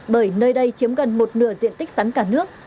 bởi nơi đây chiếm gần một nửa diện tích sắn cả nước